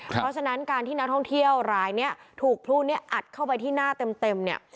เพราะฉะนั้นการที่นักท่องเที่ยวรายนี้ถูกพลูเนี่ยอัดเข้าไปที่หน้าเต็มเนี่ย